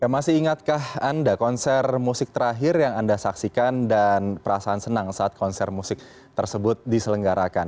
masih ingatkah anda konser musik terakhir yang anda saksikan dan perasaan senang saat konser musik tersebut diselenggarakan